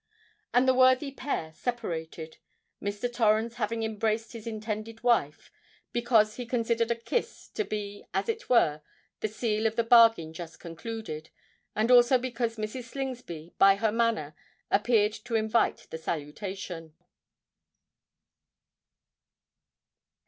And the worthy pair separated, Mr. Torrens having embraced his intended wife, because he considered a kiss to be as it were the seal of the bargain just concluded, and also because Mrs. Slingsby by her manner appeared to invite the salutation.